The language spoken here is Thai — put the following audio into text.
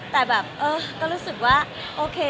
แต่แบบเออก็รู้สึกว่าโอเค